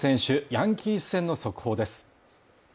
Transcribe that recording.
ヤンキー戦の速報です。